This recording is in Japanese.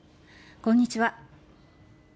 こんにちは。